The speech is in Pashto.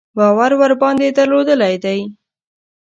باور ورباندې درلودلی دی.